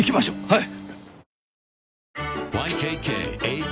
はい。